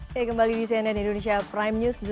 saya kembali di cnn indonesia prime news